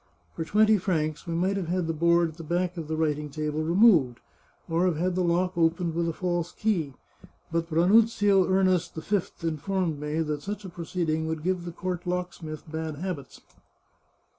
For twenty francs we might have had the board at the back of the writ ing table removed, or have had the lock opened with a false key. But Ranuzio Ernest V informed me that such a pro ceeding would give the court locksmith bad habits.